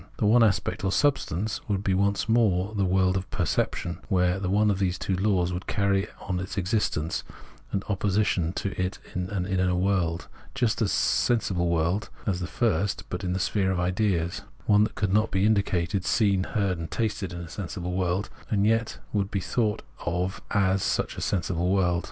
The one aspect or substance would be once more the world of perception, where the one of those two laws would carry on its existence, and in opposition to it an inner world, just such a sensible world as the first, but in the sphere of ideas ; one that could not be indicated, seen, heard, and tasted as a sensible world, and yet would be thought of as such a sensible world.